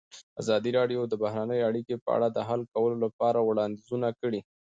ازادي راډیو د بهرنۍ اړیکې په اړه د حل کولو لپاره وړاندیزونه کړي.